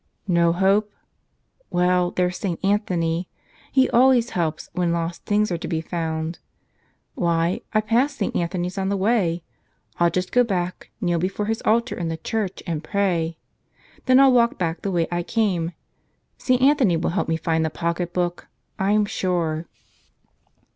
No hope? Well, there's St. Anthony. He always helps when lost things are to be found. Why, I passed St. Anthony's on the way ! I'll just go back, kneel before his altar in the church and pray. Then I'll walk back the way I came. St. Anthony will help me find the pocketbook, I'm sure."